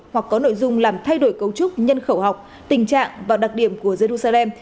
hoặc có nội dung làm thay đổi cấu trúc nhân khẩu học tình trạng và đặc điểm của jerusalem